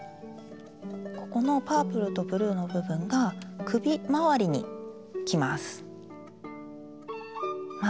ここのパープルとブルーの部分が首回りにきます。